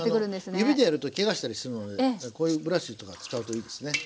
指でやるとけがしたりするのでこういうブラシとか使うといいですね。